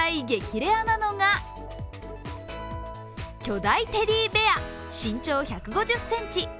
レアなのが巨大テディベア、身長１５０ｃｍ。